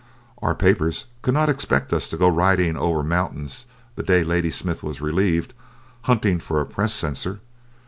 Our papers could not expect us to go riding over mountains the day Ladysmith was relieved, hunting for a press censor.